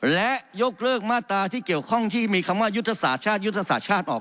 และยกเลิกมาตราที่เกี่ยวข้องที่มีคำว่ายุทธศาสตร์ชาติยุทธศาสตร์ชาติออก